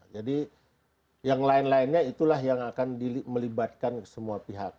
jadi yang lain lainnya itulah yang akan melibatkan semua pihak